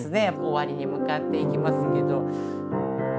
終わりに向かっていきますけど。